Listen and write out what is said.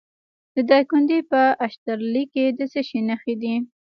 د دایکنډي په اشترلي کې د څه شي نښې دي؟